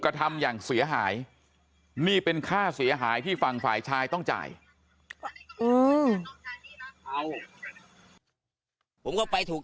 กระทำอย่างเสียหายที่ฟังฝ่ายชายต้องจ่ายผมก็ไปถูก